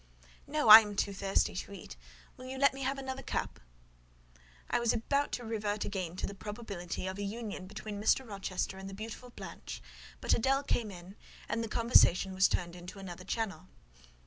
"No: I am too thirsty to eat. Will you let me have another cup?" I was about again to revert to the probability of a union between Mr. Rochester and the beautiful Blanche; but Adèle came in, and the conversation was turned into another channel.